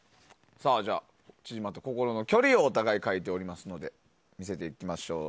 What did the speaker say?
じゃあ、縮まった心の距離をお互い書いてますので見せていきましょう。